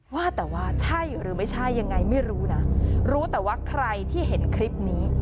ว่าแต่ว่าใช่หรือไม่ใช่ยังไงไม่รู้นะรู้แต่ว่าใครที่เห็นคลิปนี้